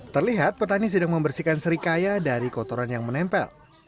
terlihat petani sedang membersihkan serikaya dari kotoran yang menempel